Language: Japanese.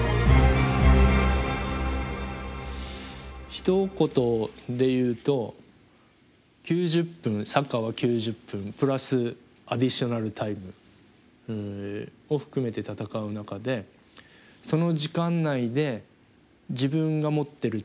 ひと言で言うと９０分サッカーは９０分プラスアディショナルタイムを含めて戦う中でその時間内で自分が持ってる力